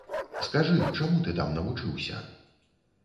Скажы, чаму ты там навучыўся?